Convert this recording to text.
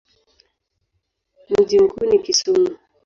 Mji mkuu ni Kisumu.